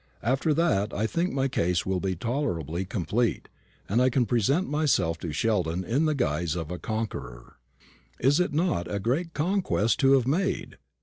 After that I think my case will be tolerably complete, and I can present myself to Sheldon in the guise of a conqueror. Is it not a great conquest to have made?